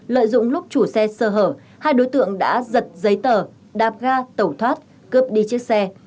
lợi dụng lúc chủ xe sơ hở hai đối tượng đã giật giấy tờ đạp ga tẩu thoát cướp đi chiếc xe